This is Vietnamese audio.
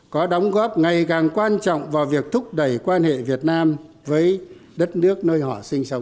có đóng góp ngày càng quan trọng vào việc thúc đẩy quan hệ việt nam với đất nước nơi họ